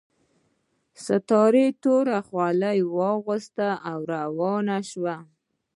ستار توره خولۍ واغوسته او روان شو